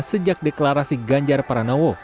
sejak deklarasi ganjar pranowo